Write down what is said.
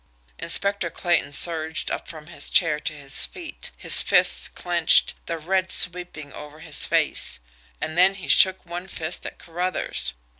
Inspector Clayton surged up from his chair to his feet, his fists clenched, the red sweeping over his face and then he shook one fist at Carruthers.